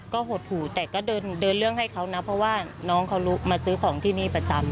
ก็หดหูแต่ก็เดินเรื่องให้เขานะเพราะว่าน้องเขามาซื้อของที่นี่ประจำ